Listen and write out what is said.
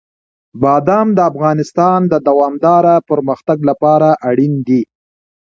بادام د افغانستان د دوامداره پرمختګ لپاره اړین دي.